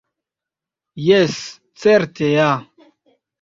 Jes, certe ja!